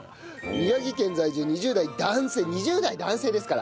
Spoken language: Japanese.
宮城県在住２０代男性２０代男性ですから。